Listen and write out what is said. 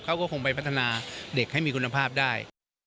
เขาก็คงไปพัฒนาเด็กให้มีคุณภาพได้